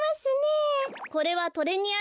これはトレニアですね。